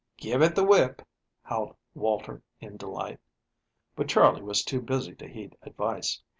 "Give it the whip," howled Walter in delight. But Charley was too busy to heed advice.